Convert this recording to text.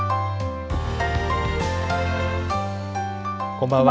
こんばんは。